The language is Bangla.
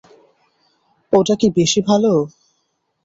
ওটা কি বেশি ভালো?